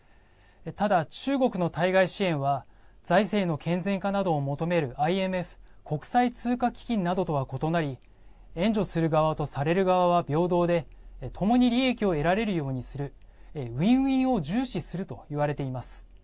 ただ、中国の対外支援は財政の健全化などを求めるＩＭＦ＝国際通貨基金などとは異なり援助する側とされる側は平等でともに利益を得られるようにするウィン・ウィンを重視すると言われています。